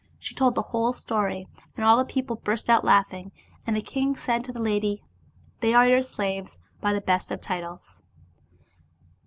She told the whole story, and all the people burst out laughing, and the king said to the lady, " They are your slaves by the best of titles."